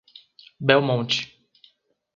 Belmonte